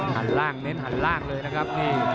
หันล่างเน้นหันล่างเลยนะครับ